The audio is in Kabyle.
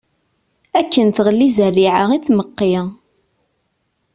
Akken tɣelli zzarriɛa i tmeɣɣi.